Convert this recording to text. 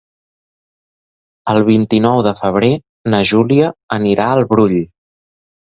El vint-i-nou de febrer na Júlia anirà al Brull.